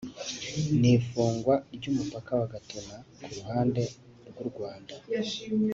ni ifungwa ry’umupaka wa Gatuna ku ruhande rw’u Rwanda